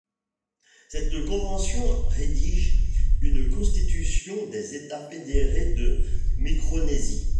Cette Convention rédige une Constitution des États fédérés de Micronésie.